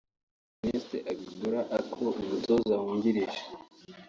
Ernest Agbor Ako (Umutoza wungirije)